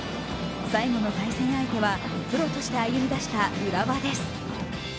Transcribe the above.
最後の対戦相手はプロとして歩み出した浦和です。